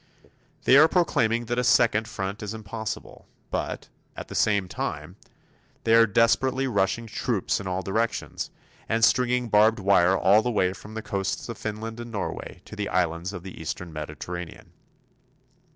They are proclaiming that a second front is impossible; but, at the same time, they are desperately rushing troops in all directions, and stringing barbed wire all the way from the coasts of Finland and Norway to the islands of the Eastern Mediterranean.